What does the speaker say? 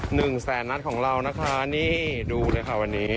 หนึ่งแสนนัดของเรานะคะนี่ดูเลยค่ะวันนี้